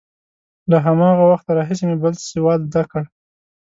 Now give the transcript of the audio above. له هماغه وخته راهیسې مې بل سواد زده کړ.